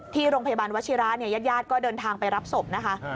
ที่โรงพยาบาลวัชิระเนี่ยญาติญาติก็เดินทางไปรับศพนะคะ